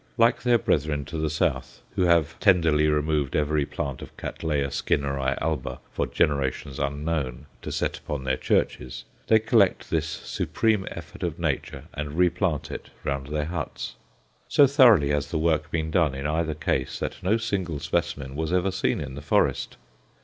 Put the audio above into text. Like their brethren to the south, who have tenderly removed every plant of Cattleya Skinneri alba for generations unknown, to set upon their churches, they collect this supreme effort of Nature and replant it round their huts. So thoroughly has the work been done in either case that no single specimen was ever seen in the forest.